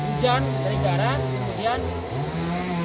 hujan dari darat kemudian